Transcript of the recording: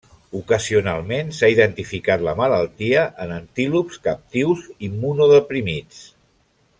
Ocasionalment, s'ha identificat la malaltia en antílops captius immunodeprimits.